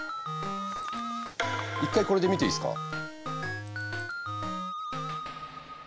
一回これで見ていいですか？